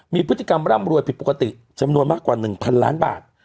มีพฤติกรรมร่ำรวยผิดปกติจำนวนมากกว่า๑๐๐ล้านบาท